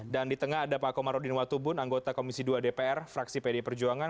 dan di tengah ada pak komarudin watubun anggota komisi dua dpr fraksi pdi perjuangan